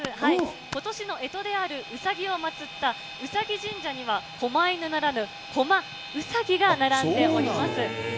今年のえとであるうさぎを祭ったうさぎ神社には、こま犬ならぬ、こまうさぎが並んでおります。